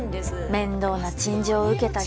面倒な陳情を受けたり。